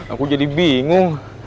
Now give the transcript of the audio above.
aku jadi bingung